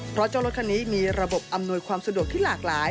เพราะเจ้ารถคันนี้มีระบบอำนวยความสะดวกที่หลากหลาย